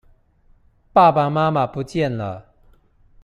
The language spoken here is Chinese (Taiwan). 爸爸媽媽不見了